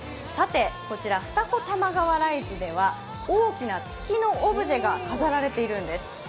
こちら二子玉川ライズでは大きな月のオブジェが飾られているんです。